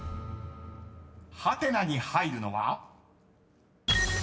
［ハテナに入るのは？］